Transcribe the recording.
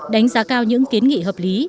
đánh giá cao những kiến nghị hợp lý